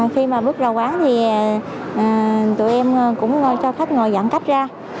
khi mà bước đầu quán thì tụi em cũng cho khách ngồi giãn cách ra